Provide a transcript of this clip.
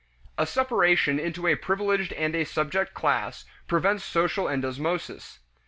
A separation into a privileged and a subject class prevents social endosmosis.